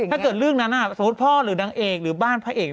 ถ้าเกิดเรื่องนั้นสมมุติพ่อหรือนางเอกหรือบ้านพระเอก